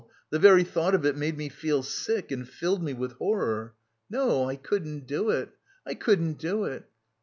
the very thought of it made me feel sick and filled me with horror. "No, I couldn't do it, I couldn't do it!